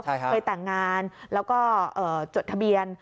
เคยแต่งงานแล้วก็จดทะเบียน